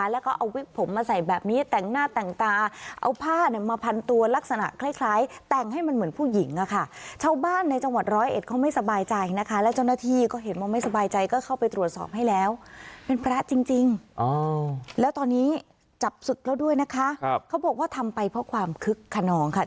แล้วตอนนี้จับสึกแล้วด้วยนะคะเขาบอกว่าทำไปเพราะความคึกขนองค่ะ